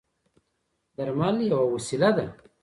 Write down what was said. درمل یوه وسیله ده.